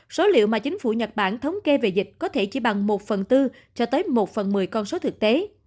số liệu mà chính phủ nhật bản thống kê về dịch có thể chỉ bằng một phần tư cho tới một phần một mươi con số thực tế